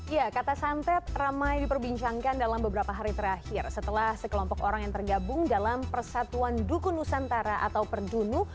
ya kata santet ramai diperbincangkan dalam beberapa hari terakhir setelah sekelompok orang yang tergabung dalam persatuan duku nusantara atau perdunu